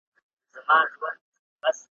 په داسي حال کي چي `